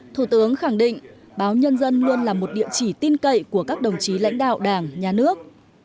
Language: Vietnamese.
thủ tướng khẳng định báo nhân dân luôn là một địa chỉ tin cậy của các đồng chí lãnh đạo đảng nhà nước